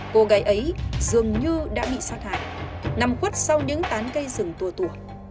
cô gái ấy dường như đã bị sát hại nằm khuất sau những tán cây rừng tùa tùa